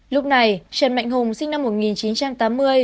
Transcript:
lúc này trần mạnh hùng sinh năm một nghìn chín trăm tám mươi